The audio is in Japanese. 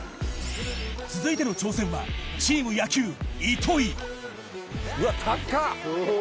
続いての挑戦はチーム野球糸井うわ高っ！